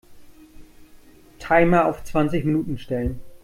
Timer auf zwanzig Minuten stellen.